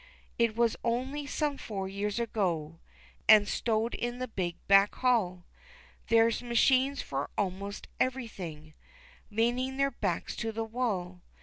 It was only some four years ago, An' stowed in the big back hall There's machines for almost everything, Leaning their backs to the wall.